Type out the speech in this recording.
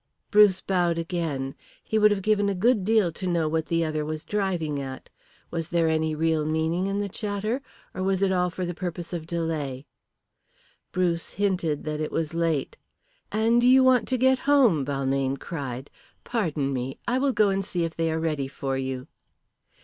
Bruce bowed again. He would have given a good deal to know what the other was driving at. Was there any real meaning in the chatter, or was it all for the purpose of delay? Bruce hinted that it was late. "And you want to get home," Balmayne cried. "Pardon me. I will go and see if they are ready for you."